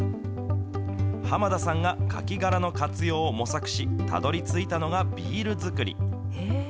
濱田さんがカキ殻の活用を模索し、たどりついたのがビール造り。